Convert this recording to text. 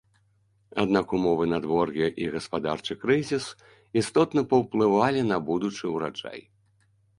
Аднак умовы надвор'я і гаспадарчы крызіс істотна паўплывалі на будучы ўраджай.